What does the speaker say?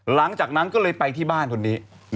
หลังจากนั้นก็เลยไปที่บ้านคนนี้